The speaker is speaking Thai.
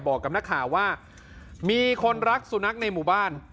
บอกกับนักข่าวว่ามีคนรักสุนัขในหมู่บ้าน